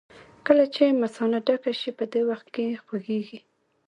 کله چې مثانه ډکه شي په دې وخت کې خوږېږي.